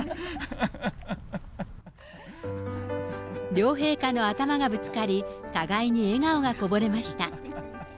両陛下の頭がぶつかり、互いに笑顔がこぼれました。